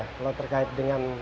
kalau terkait dengan